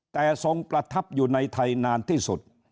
แต่ทรงประทับอยู่ในไทยนานที่สุด